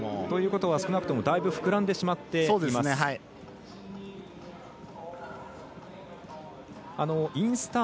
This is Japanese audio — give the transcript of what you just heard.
ということは少なくともだいぶ膨らんでしまっています。